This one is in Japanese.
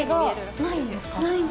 ないんです。